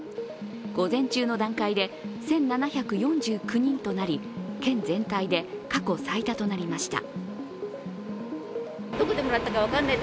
午前中の段階で１７４９人となり県全体で過去最多となりました。